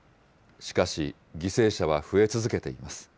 しかし、犠牲者は増え続けています。